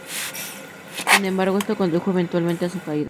Sin embargo, esto condujo eventualmente a su caída.